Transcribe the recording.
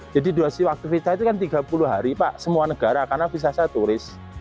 jadi durasi waktu visa itu kan tiga puluh hari semua negara karena visa saya turis